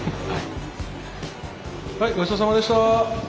ごちそうさまでした！